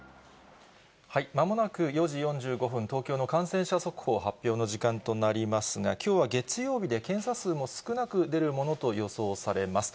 まもなく４時４５分、東京の感染者速報発表の時間となりますが、きょうは月曜日で検査数も少なく出るものと予想されます。